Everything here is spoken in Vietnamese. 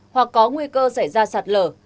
hoặc có nguy cơ xảy ra sạt lở